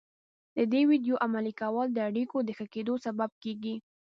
د دې ويډيو عملي کول د اړيکو د ښه کېدو سبب کېږي.